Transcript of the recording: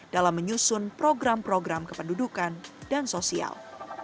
dalam menyusun program program kependudukan dan sosial